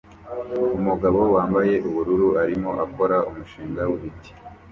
Umugabo wambaye ubururu arimo akora umushinga wibiti